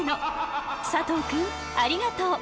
佐藤くんありがとう。